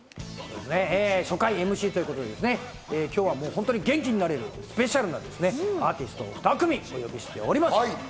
初回ＭＣということでですね、元気になれるスペシャルなアーティストを２組お呼びしております。